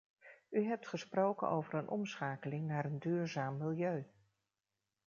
U hebt gesproken over een omschakeling naar een duurzaam milieu.